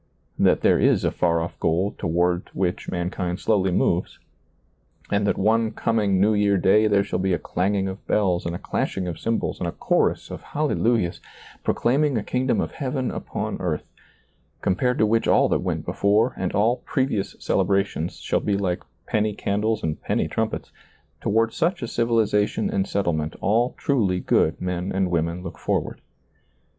That there is a far off goal toward which mankind slowly moves, and that one coming New Year day there shall be a clanging of bells and a clash ing of cymbals and a chorus of hallelujahs, pro claiming a kingdom of heaven upon earths com pared to which all that went before and all previous celebrations shall be like penny candles and penny trumpets— toward such a civilization and settlement all truly good men and women look forward.